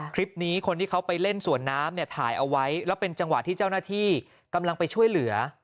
คลิปนี้คนที่เขาไปเล่นสวนน้ำเนี่ยถ่ายเอาไว้แล้วเป็นจังหวะที่เจ้าหน้าที่กำลังไปช่วยเหลือ